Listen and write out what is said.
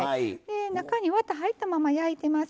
中にワタ入ったまま焼いてます。